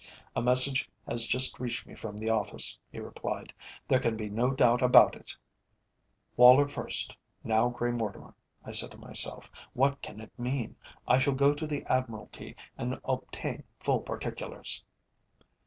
"A message has just reached me from the Office," he replied. "There can be no doubt about it!" "Woller first, now Grey Mortimer," I said to myself. "What can it mean? I shall go to the Admiralty and obtain full particulars."